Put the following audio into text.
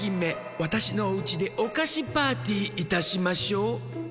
わたしのおうちでおかしパーティーいたしましょう！」。